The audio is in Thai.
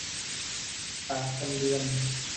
บาทคนเดือน